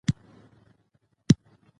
افغانستان د د کابل سیند له امله شهرت لري.